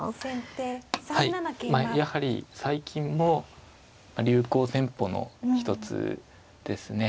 はいまあやはり最近も流行戦法の一つですね。